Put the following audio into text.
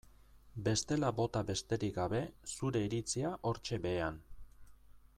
Bestela bota besterik gabe zure iritzia hortxe behean.